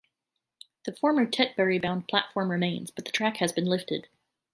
The former Tetbury bound platform remains but the track has been lifted.